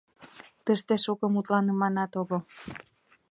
Тыште шуко мутланыманат огыл...